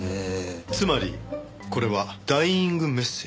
つまりこれはダイイングメッセージ。